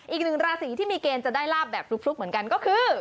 อีกหนึ่งราศีที่มีเกณฑ์จะได้ลาบแบบฟลุกเหมือนกันก็คือ